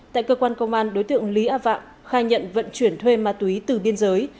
tại cơ quan công an đối tượng lý a vạng khai nhận vận chuyển thuê ma túy từ biên giới